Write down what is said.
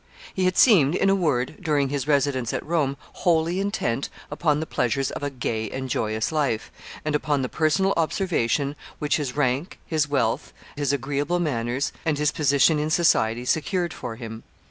He had seemed, in a word, during his residence at Rome, wholly intent upon the pleasures of a gay and joyous life, and upon the personal observation which his rank, his wealth, his agreeable manners and his position in society secured for him.